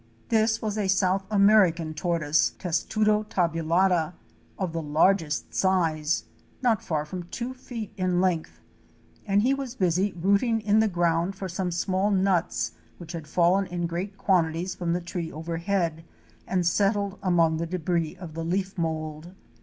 This was a 298 OUR SEARCH FOR A WILDERNESS. South American Tortoise (Testudo tabulata) of the largest size, not far from two feet in length, and he was busy rooting in the ground for some small nuts which had fallen in great quantities from the tree overhead and settled among the débris of the leaf mould.